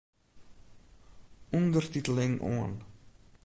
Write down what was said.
Undertiteling oan.